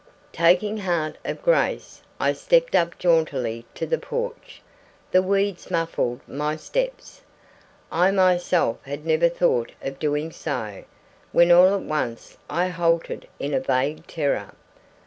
Taking heart of grace, I stepped up jauntily to the porch. The weeds muffled my steps. I myself had never thought of doing so, when all at once I halted in a vague terror.